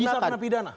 bisa kena pidana